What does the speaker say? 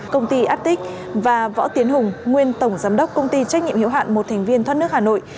công ty atic và võ tiến hùng nguyên tổng giám đốc công ty trách nhiệm hiệu hạn một thành viên thoát nước hà nội